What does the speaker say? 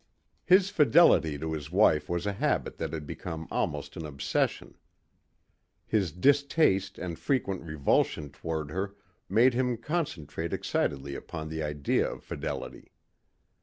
His fidelity to his wife was a habit that had become almost an obsession. His distaste and frequent revulsion toward her made him concentrate excitedly upon the idea of fidelity.